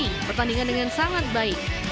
ini pertandingan dengan sangat baik